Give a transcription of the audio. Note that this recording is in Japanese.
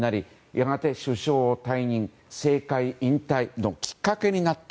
やがて首相退任政界引退のきっかけになった。